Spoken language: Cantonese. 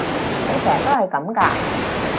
佢成日都係噉㗎？